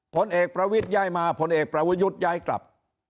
ผลเอกประวิทย้ายมาผลเอกประวิทย้ายกลับ